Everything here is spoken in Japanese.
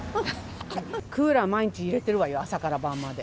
クーラー毎日入れてるわよ、朝から晩まで。